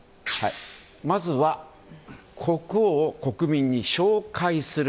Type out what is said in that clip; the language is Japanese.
まずは国王を国民に紹介する。